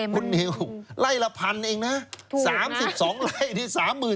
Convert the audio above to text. คุณนิวไล่ละพันเองนะ๓๒ไร่ที่๓๐๐๐